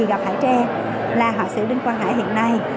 vì gặp hải tre là họa sĩ đinh quang hải hiện nay